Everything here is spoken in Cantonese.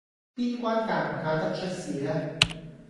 邊關嫁唔嫁得出事呢